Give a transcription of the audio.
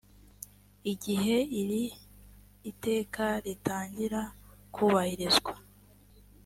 igihe iri iteka ritangira kubahirizwa